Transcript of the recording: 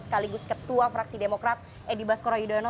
sekaligus ketua fraksi demokrat edi baskoro yudhoyono